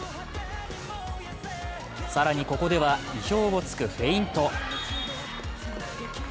更に、ここでは意表を突くフェイント。